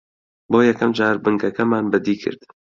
بۆ یەکەم جار بنکەکەمان بەدی کرد